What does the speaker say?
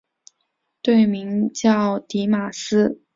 队名叫狄玛斯。